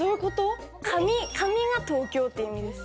「かみ」が東京っていう意味です。